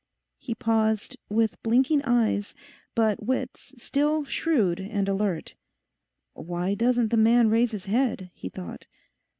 he paused, with blinking eyes, but wits still shrewd and alert. Why doesn't the man raise his head? he thought.